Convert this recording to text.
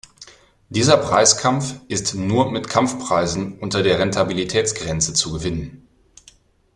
Dieser Preiskampf ist nur mit Kampfpreisen unter der Rentabilitätsgrenze zu gewinnen.